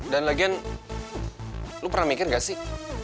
lagian lu pernah mikir gak sih